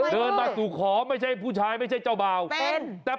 เดินตกขอไม่ใช่ผู้ชายไม่ใช่เจ้าบ่าวแต่เป็น